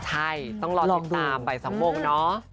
ใช่ต้องรอติดตามใบสังโมงเนอะ